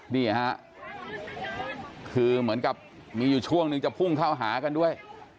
นี่ฮะคือเหมือนกับมีอยู่ช่วงนึงจะพุ่งเข้าหากันด้วย